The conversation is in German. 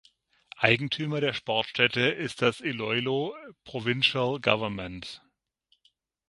Eigentümer der Sportstätte ist das Iloilo Provincial Government.